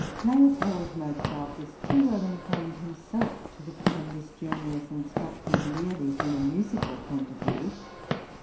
L. Mozart was too well informed himself to look upon this journey as instructive merely from a musical point of view.